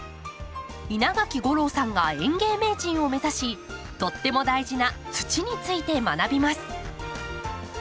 稲垣吾郎さんが園芸名人を目指しとっても大事な「土」について学びます。